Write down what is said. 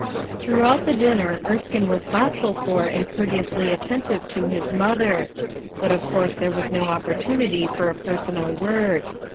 Throughout the dinner Erskine was thought ful for and courteously attentive to his mother; but of course there was no opportunity for a personal word.